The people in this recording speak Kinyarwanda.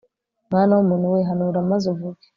mwana w umuntu we hanura maze uvuge